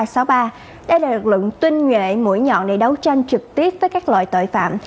tổ công tác ba trăm sáu mươi ba đã được lực lượng tuyên nghệ mũi nhọn để đấu tranh trực tiếp với các loại tội phạm